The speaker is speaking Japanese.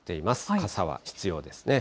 傘は必要ですね。